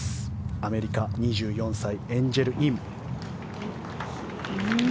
アメリカ、２４歳エンジェル・イン。